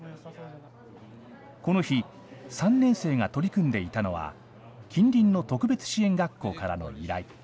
この日、３年生が取り組んでいたのは、近隣の特別支援学校からの依頼。